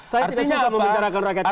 saya tidak suka memenjarakan rakyat kita